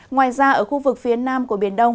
ngoài ra ở khu vực phía nam của biển đông